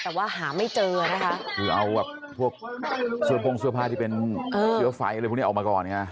แต่ว่าหาไม่เจอนะคะ